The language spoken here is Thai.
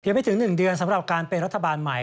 ไม่ถึง๑เดือนสำหรับการเป็นรัฐบาลใหม่